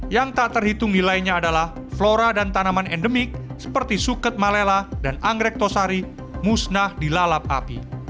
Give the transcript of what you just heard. yang tak terhitung nilainya adalah flora dan tanaman endemik seperti suket malela dan anggrek tosari musnah dilalap api